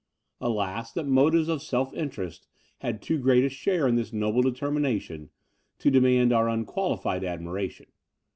Alas, that motives of self interest had too great a share in this noble determination, to demand our unqualified admiration!